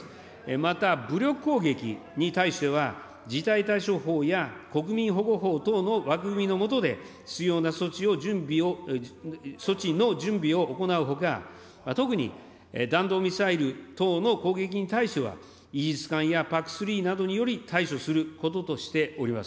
また、武力攻撃に対しては、事態対処法や国民保護法等の枠組みのもとで、必要な措置を、措置の準備を行うほか、特に弾道ミサイル等の攻撃に対しては、イージス艦やＰＡＣ３などにより対処することとしております。